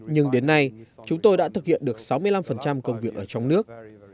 nhưng đến nay chúng tôi đã thực hiện được sáu mươi năm công việc ở trong nước